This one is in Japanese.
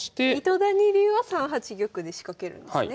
糸谷流は３八玉で仕掛けるんですね。